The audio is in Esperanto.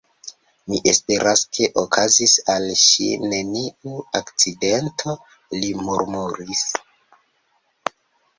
Mi esperas, ke okazis al ŝi neniu akcidento, li murmuris.